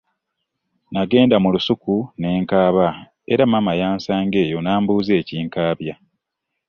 Nagenda mu lusuku ne nkaaba era maama yansanga eyo n’ambuuza ekinkaabya.